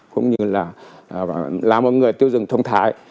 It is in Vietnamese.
cũng như là làm một người tiêu dùng thông thái